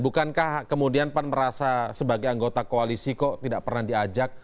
bukankah kemudian pan merasa sebagai anggota koalisi kok tidak pernah diajak